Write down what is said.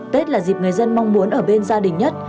tết là dịp người dân mong muốn ở bên gia đình nhất